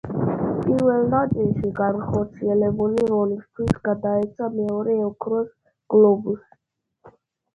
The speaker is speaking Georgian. პირველ ნაწილში განხორციელებული როლისთვის გადაეცა მეორე ოქროს გლობუსი.